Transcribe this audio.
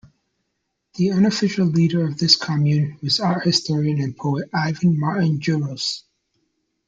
The unofficial leader of this commune was art-historian and poet Ivan Martin Jirous.